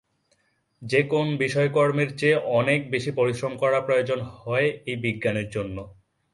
যে-কোন বিষয়কর্মের চেয়ে অনেক বেশী পরিশ্রম করা প্রয়োজন হয় এই বিজ্ঞানের জন্য।